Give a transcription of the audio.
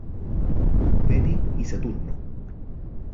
Penney y Saturno.